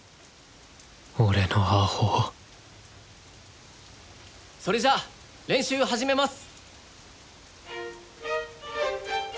俺のアホそれじゃあ練習始めます。